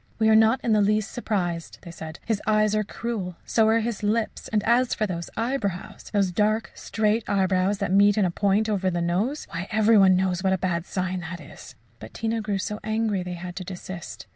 "We are not in the least surprised," they said; "his eyes are cruel so are his lips; and as for his eyebrows those dark, straight eyebrows that meet in a point over the nose why, every one knows what a bad sign that is!" But Tina grew so angry they had to desist.